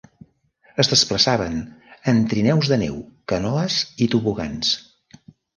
Es desplaçaven en trineus de neu, canoes i tobogans.